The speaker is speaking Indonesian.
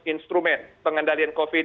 instrumen pengendalian covid ini